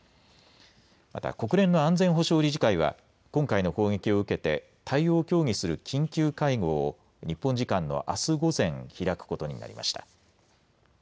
また国連の安全保障理事会は今回の攻撃を受けて対応を協議する緊急会合を日本時間のあす午前開くことになりました。